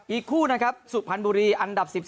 อีกคู่นะครับสุพรรณบุรีอันดับ๑๒